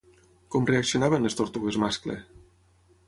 Com reaccionaven les tortugues mascle?